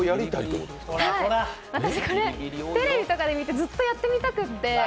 私、これテレビとかで見てずっとやってみたくて。